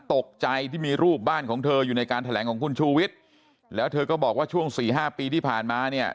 ตกใจที่มีรูปบ้านของเธออยู่ในการแถลงของคุณชูวิทย์แล้วเธอก็บอกว่าช่วงสี่ห้าปีที่ผ่านมาเนี่ย